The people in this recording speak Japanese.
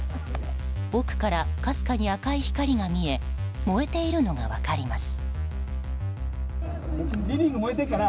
奥からかすかに赤い光が見え燃えているのが分かります。